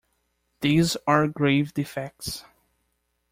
These are grave defects.